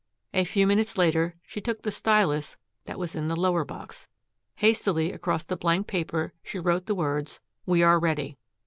A few minutes later, she took the stylus that was in the lower box. Hastily across the blank paper she wrote the words, "We are ready."